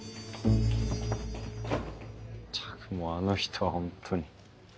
ったくもうあの人はほんとに。